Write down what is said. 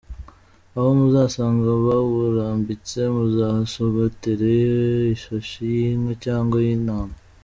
Aho muzasanga bawurambitse, muzahasogotere ishashi y’inka cyangwa iy’intama.